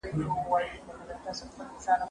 ما د سبا لپاره د کور دندې بشپړ کړي دي!؟